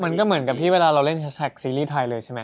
มันก็เหมือนกับที่เวลาเราเล่นแฮชแท็กซีรีส์ไทยเลยใช่ไหม